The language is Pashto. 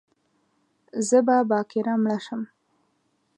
زه به باکره مړه شم